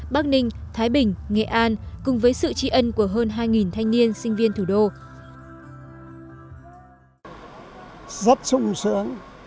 bắc ninh thái bình nghệ an cùng với sự tri ân của hơn hai thanh niên sinh viên thủ đô